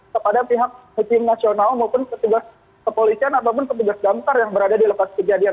kepada pihak hukum nasional maupun petugas kepolisian ataupun petugas damkar yang berada di lokasi kejadian